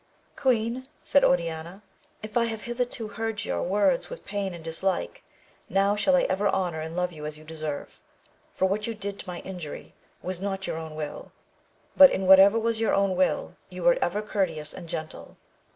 Queen, said Oriana, if I have hitherto heard your words with pain and dislike, now shall I ever honour and love you as you deserve, AMADIS OF GAUL. ■ 67 for what you did to my injury, was not your own will, but in whatever was your own will, you were ever courteous and gentle.